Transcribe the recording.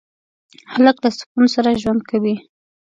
هلک له سکون سره ژوند کوي.